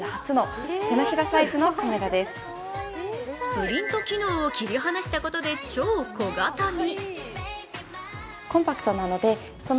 プリント機能を切り離したことで超小型に。